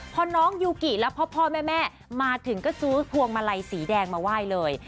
พอน้องยูกิแล้วพ่อแม่มาถึงก็ซื้อพวงมาลัยสีแดงมาไหว้เลย